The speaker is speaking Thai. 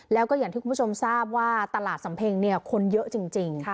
แล้วก็อย่างที่คุณผู้ชมทราบว่าตลาดสำเพ็งเนี่ยคนเยอะจริง